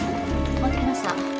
持ってきました。